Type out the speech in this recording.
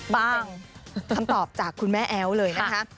คำตอบจากคุณแม่แอ๊วเลยนะคะ